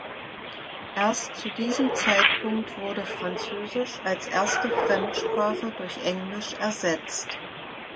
Erst zu diesem Zeitpunkt wurde Französisch als erste Fremdsprache durch Englisch ersetzt.